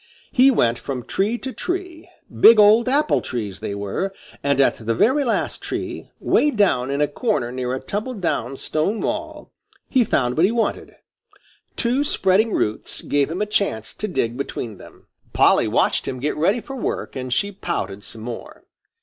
He went from tree to tree, big old apple trees they were, and at the very last tree, way down in a corner near a tumbled down stone wall, he found what he wanted two spreading roots gave him a chance to dig between them. Polly watched him get ready for work and she pouted some more.